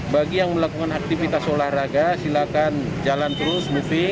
bagi yang melakukan aktivitas olahraga silakan jalan terus movie